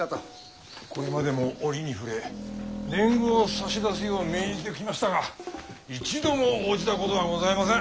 これまでも折に触れ年貢を差し出すよう命じてきましたが一度も応じたことがございません。